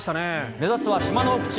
目指すは島の奥地。